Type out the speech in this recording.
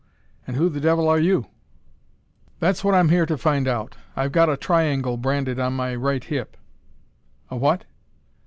And who the devil are you?" "That's what I'm here to find out. I've got a triangle branded on my right hip." "A what?"